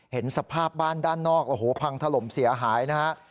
เห็นสภาพบ้านด้านนอกโอ้โหพังถล่มเสียหายนะฮะ